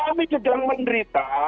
kami sedang menderita